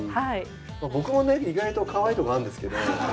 僕もね意外とかわいいところあるんですけど。